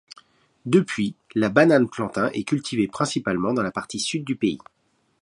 Depuis, la banane plantain est cultivée principalement dans la partie sud du pays.